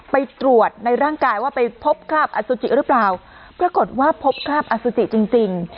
ไปตรวจในร่างกายว่าไปพบคราบอสุจิหรือเปล่าปรากฏว่าพบคราบอสุจิจริงจริง